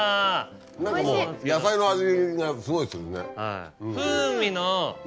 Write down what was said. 何かもう野菜の味がすごいするね。